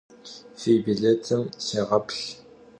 Fi bilêtım sêğeplh.